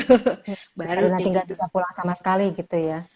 karena gak bisa pulang sama sekali gitu ya